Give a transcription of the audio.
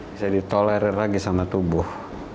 bisa ditolerir lagi sama tubuh